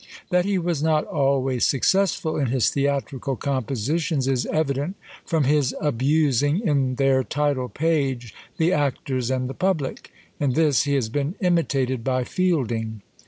That he was not always successful in his theatrical compositions is evident from his abusing, in their title page, the actors and the public. In this he has been imitated by Fielding.